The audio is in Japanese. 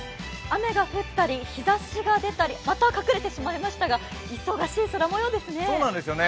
雨が降ったり日ざしが出たり、また隠れてしまいましたが、忙しい空もようですね。